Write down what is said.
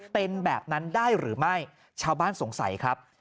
เป็นแบบนั้นได้หรือไม่ชาวบ้านสงสัยครับ